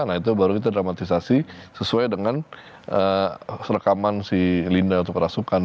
nah itu baru kita dramatisasi sesuai dengan rekaman si linda atau perasukan